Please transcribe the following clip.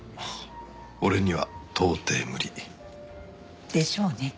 俺には到底無理。でしょうね。